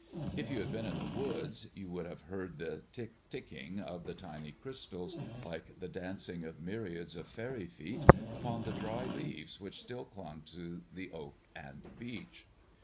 If you had been in the woods, you would have heard the tick ticking of the tiny crystals, like the dancing of myriads of fairy feet, upon the dry leaves which still clung to the oak and beech.